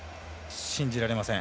信じられません。